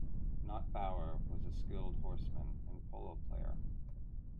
Nott-Bower was a skilled horseman and polo player.